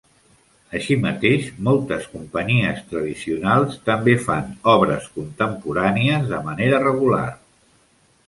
Així mateix, moltes companyies "tradicionals" també fan obres contemporànies de manera regular.